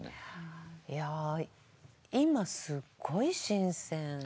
いや今すっごい新鮮。